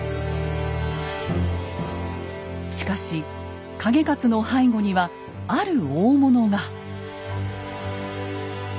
しかし景勝の背後にはある大物が。